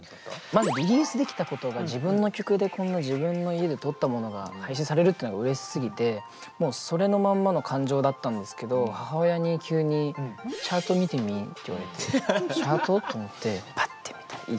まずリリースできたことが自分の曲でこんな自分の家で録ったものが配信されるっていうのがうれしすぎてもうそれのまんまの感情だったんですけど母親に急に「チャート見てみ」って言われて「チャート？」と思って